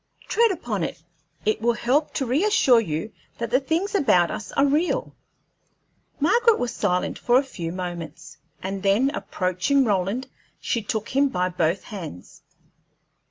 Tread upon it; it will help to reassure you that the things about us are real." Margaret was silent for a few moments, and then, approaching Roland, she took him by both hands.